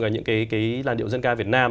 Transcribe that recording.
những cái làn điệu dân ca việt nam